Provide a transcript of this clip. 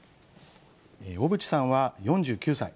小渕さんは４９歳。